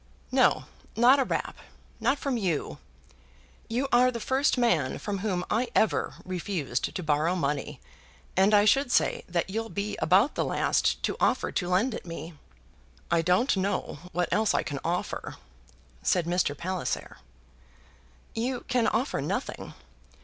"No; not a rap. Not from you. You are the first man from whom I ever refused to borrow money, and I should say that you'll be about the last to offer to lend it me." "I don't know what else I can offer?" said Mr. Palliser. "You can offer nothing.